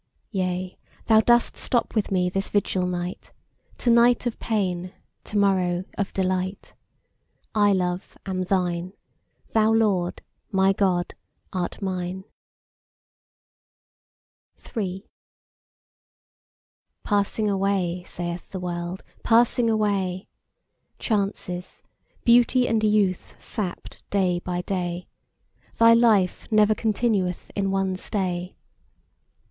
Yea, Thou dost stop with me this vigil night; To night of pain, to morrow of delight: I, Love, am Thine; Thou, Lord, my God, art mine. 3. Passing away, saith the World, passing away: Chances, beauty and youth sapped day by day: Thy life never continueth in one stay.